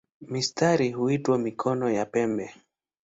Mistari huitwa "mikono" ya pembe.